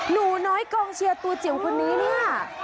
หนูน้อยกองเชียร์ตัวจิ๋วคนนี้เนี่ย